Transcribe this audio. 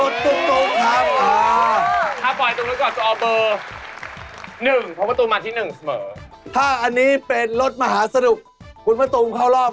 เดดี้เฟิร์ดเรามาตรงความ